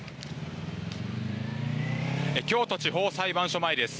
京都地方裁判所前です。